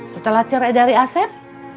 setelah cere dari asep